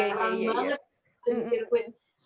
gak ramah banget